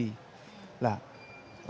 nah langkah selanjutnya